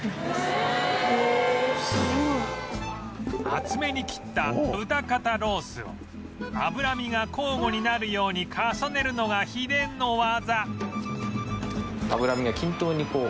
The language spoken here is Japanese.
厚めに切った豚肩ロースを脂身が交互になるように重ねるのが秘伝の技